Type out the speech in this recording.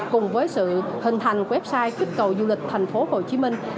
cùng với sự hình thành website kích cầu du lịch thành phố hồ chí minh